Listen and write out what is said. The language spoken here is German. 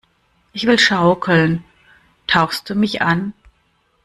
Ich will schaukeln! Tauchst du mich an?